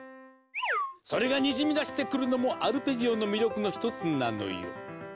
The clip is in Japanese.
それがにじみ出してくるのもアルペジオの魅力のひとつなのよ。